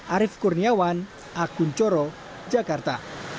arief kurniawan akun coro jakarta